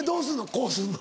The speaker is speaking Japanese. こうするの？